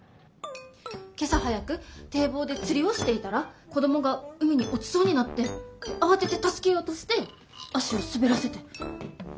今朝早く堤防で釣りをしていたら子供が海に落ちそうになって慌てて助けようとして足を滑らせて今病院に。